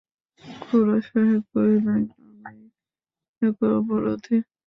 খুড়াসাহেব কহিলেন, আমিই একা অপরাধী।